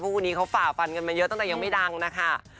คู่นี้เขาฝ่าฟันกันมาเยอะตั้งแต่ยังไม่ดังนะคะ